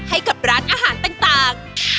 ให้กับร้านอาหารต่าง